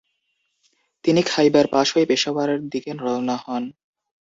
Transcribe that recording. তিনি খাইবার পাস হয়ে পেশাওয়ার দিকে রওনা হন।